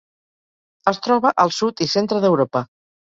Es troba al sud i centre d'Europa.